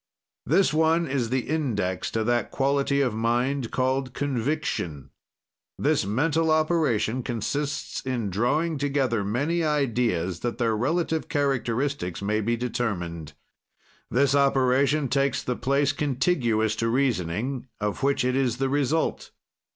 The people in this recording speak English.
"This one is the index to that quality of mind called conviction. "This mental operation consists in drawing together many ideas that their relative characteristics may be determined. "This operation takes the place contiguous to reasoning, of which it is the result.